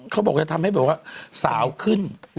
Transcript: เขาบอกจะทำให้แบบว่าสาวขึ้น